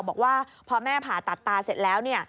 บอกว่าพอแม่ผ่าตัดตาเสร็จแล้ว